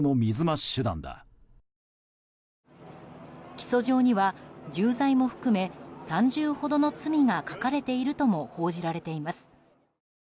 起訴状には重罪も含め３０ほどの罪が書かれているとも報じられています。